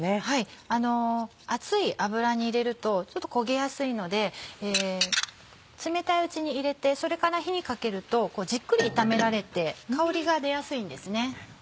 はい熱い油に入れるとちょっと焦げやすいので冷たいうちに入れてそれから火にかけるとじっくり炒められて香りが出やすいんですね。